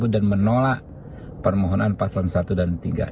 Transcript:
dan menolak permohonan paslon i dan iii